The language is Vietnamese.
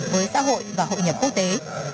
với xã hội và hội nhập quốc tế